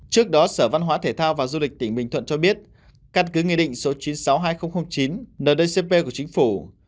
trước đó sở văn hóa thể thao và du lịch tỉnh bình thuận cho biết căn cứ nghị định số chín trăm sáu mươi hai nghìn chín ndcp của chính phủ